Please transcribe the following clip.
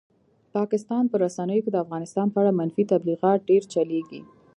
پاکستان په رسنیو کې د افغانستان په اړه منفي تبلیغات ډېر چلېږي.